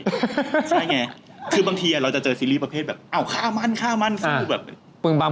ใช่ไงคือบางทีเราจะเจอซีรีส์ประเภทแบบอ้าวค่ามั่นค่ามั่นค่าแบบ